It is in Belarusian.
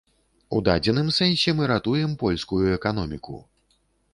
У дадзеным сэнсе мы ратуем польскую эканоміку.